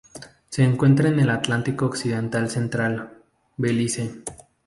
Se encuentra en el Atlántico occidental central: Belice.